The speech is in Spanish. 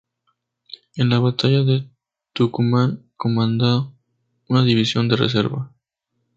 En la Batalla de Tucumán comandó una división de reserva.